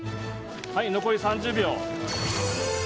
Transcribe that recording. はい残り３０秒。